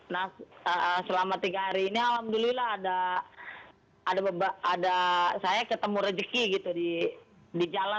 nah selama tiga hari ini alhamdulillah ada saya ketemu rezeki gitu di jalan